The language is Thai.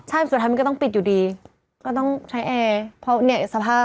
ใช่สุดท้ายมันก็ต้องปิดอยู่ดีก็ต้องใช้แอร์เพราะเนี่ยสภาพ